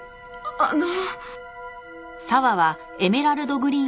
あの？